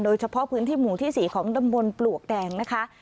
โดยเฉพาะพื้นที่หมู่ที่๔ของตำบลปลวกแดงนะคะ